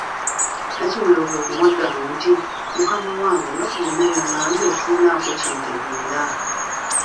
Nnakimwero kwe kumuddamu nti, Mukama wange nga ku byonna by’ongambye sirinaako kye ntegeera.